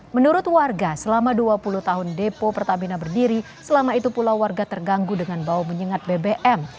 menurut warga selama dua puluh tahun depo pertamina berdiri selama itu pula warga terganggu dengan bau menyengat bbm